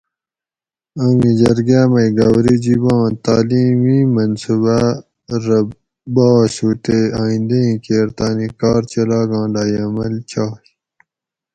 آمی جرگاۤ مئ گاوری جباں تعلیمی منصوبہ رہ بحث ہُو تے آئندیٔں کیر تانی کار چلاگاں لائحہ عمال چاۓ